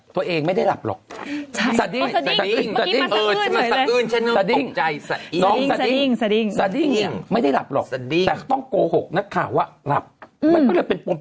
ตัวเองไม่ได้หลับหรอก